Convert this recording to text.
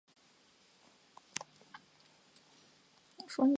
苹果酒传统主要产于英国南部和法国西北诺曼底不适宜种植葡萄的地方。